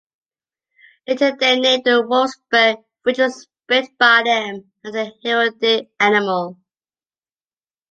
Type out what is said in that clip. Later they named the Wolfsburg, which was built by them, after their heraldic animal.